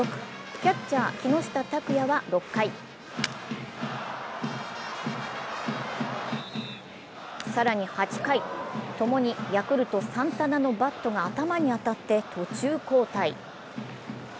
キャッチャー・木下拓哉は６回更に８回、共にヤクルト・サンタナのバットが頭に当たって途中交代。